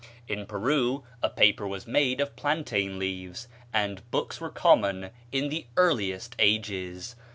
In Peru a paper was made of plantain leaves, and books were common in the earlier ages.